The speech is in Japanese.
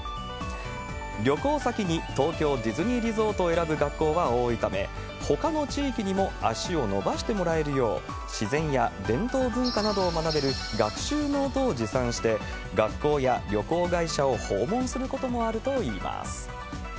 旅行先に東京ディズニーリゾートを選ぶ学校は多いため、ほかの地域にも足を延ばしてもらえるよう、自然や伝統文化などを学べる学習ノートを持参して、学校や旅行会社を訪問することもあるといいます。